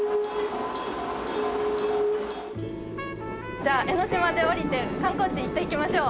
じゃあ江ノ島で降りて観光地行っていきましょう。